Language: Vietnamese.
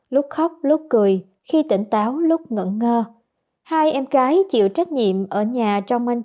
lúc khóc lúc cười khi tỉnh táo lúc ngẫn ngơ hai em gái chịu trách nhiệm ở nhà trong minh